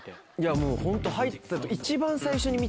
もうホント入った時一番。